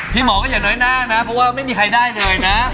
พี่หมอก็อย่าน้อยหน้านะเพราะว่าไม่มีใครได้เลยนะ